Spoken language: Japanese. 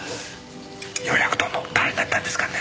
予約取るの大変だったんですからね。